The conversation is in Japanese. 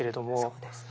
そうですね。